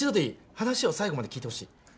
話を最後まで聞いてほしい。